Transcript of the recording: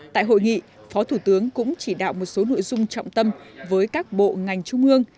tại hội nghị phó thủ tướng cũng chỉ đạo một số nội dung trọng tâm với các bộ ngành trung ương